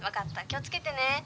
気を付けてね。